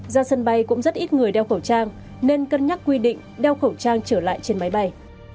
ra sân bay cũng rất ít người đeo khẩu trang nên cân nhắc quy định đeo khẩu trang trở lại trên máy bay